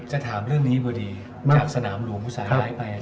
จะถามเรื่องนี้เบอร์ดีจากสนามหลวงผู้สายร้ายไป